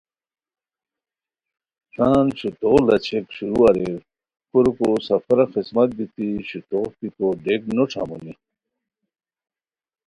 نان شوتوغ لاچھئیک شروع اریر کوریکو سفرا خسمت بیتی شوتوغ پیکو ڈیک نو ݯھامونی